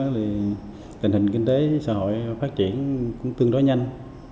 thì tình hình kinh tế xã hội phát triển cũng tương đối nhanh